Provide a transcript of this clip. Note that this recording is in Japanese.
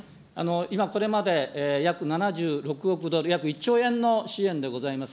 今、これまで約７６億ドル、約１兆円の支援でございます。